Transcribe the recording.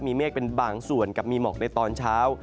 มีเมฆเป็นบางส่วนกับมีหมอกในตอนเช้า